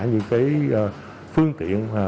những cái phương tiện